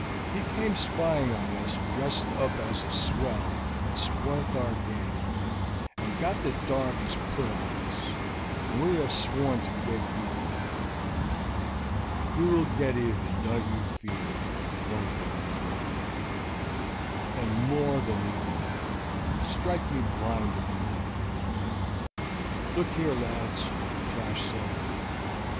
He came spying on us dressed up as a swell and spoilt our game, and got the darbies put on us, and we have sworn to get even with him." "You will get even, don't you fear," one of the men growled, "and more than even, strike me blind if you don't." "Look here, lads," Flash said.